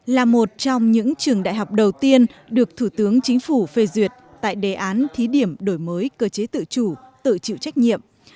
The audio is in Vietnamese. là một trong những trường đại học đầu tiên được thủ tướng chính phủ phê duyệt tại đề án thí điểm đổi mới cơ chế tự chủ tự chịu trách nhiệm